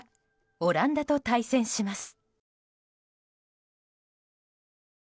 オランダと対戦します。